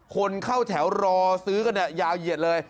คนเข้าแถวรอซื้อกันเนี่ยยาวเหยียดเลย